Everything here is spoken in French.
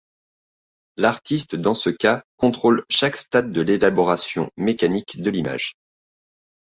L'artiste dans ce cas contrôle chaque stade de l'élaboration mécanique de l'image.